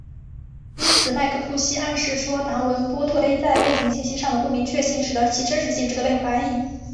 因此麦克库西克暗示说达文波特碑在背景信息上的不明确性使得其真实性值得被怀疑。